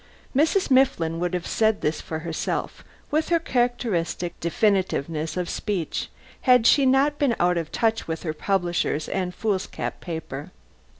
Mrs. Mifflin would have said this for herself, with her characteristic definiteness of speech, had she not been out of touch with her publishers and foolscap paper.